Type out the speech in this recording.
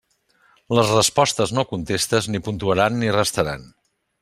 Les respostes no contestes ni puntuaran ni restaran.